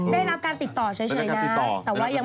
ได้รับการติดต่อเฉยน่ะแต่ว่ายังไม่รู้ว่าได้หรือเปล่า